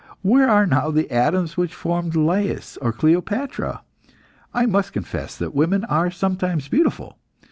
Where are now the atoms which formed Lais or Cleopatra? I must confess that women are sometimes beautiful.